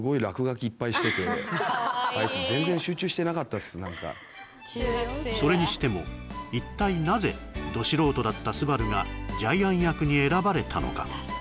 めっちゃそれにしても一体なぜど素人だった昴がジャイアン役に選ばれたのか？